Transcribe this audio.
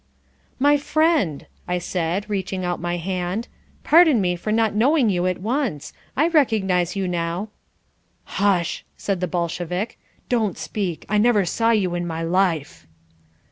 "My friend," I said, reaching out my hand, "pardon me for not knowing you at once. I recognize you now..." "Hush," said the Bolshevik. "Don't speak! I never saw you in my life."